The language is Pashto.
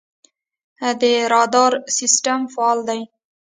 د رادار سیستم فعال دی؟